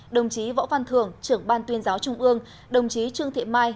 đồng chí võ văn thường trưởng ban tuyên giáo trung ương đồng chí trương thị mai